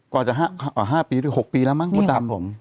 กว่าจะ๕ปีหรือ๖ปีแล้วมั้งมดดำผม